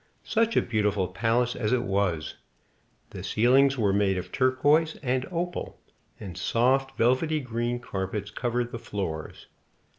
Such a beautiful palace as it was! The ceilings were made of turquoise and opal, and soft, velvety green carpets covered the floors.